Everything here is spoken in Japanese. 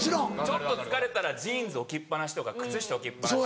ちょっと疲れたらジーンズ置きっ放しとか靴下置きっ放し。